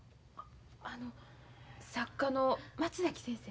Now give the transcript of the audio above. あの作家の松崎先生？